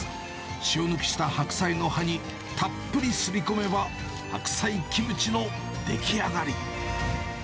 塩抜きした白菜の葉にたっぷりすり込めば、白菜キムチの出来上がり。